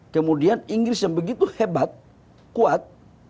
kemudian inggris yang begitu hebat kuat